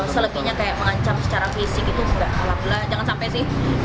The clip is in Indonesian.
selebihnya kayak mengancam secara fisik itu enggak belah belah jangan sampai sih